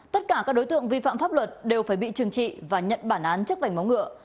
tất cả các đối tượng vi phạm pháp luật đều phải bị trừng trị và nhận bản án trước vảnh móng ngựa